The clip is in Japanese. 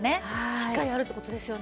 しっかりあるって事ですよね。